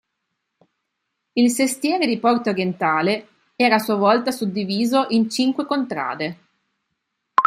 Il sestiere di Porta Orientale era a sua volta suddiviso in cinque contrade